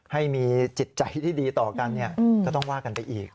ให้มีจิตใจที่ดีต่อกันก็ต้องว่ากันไปอีก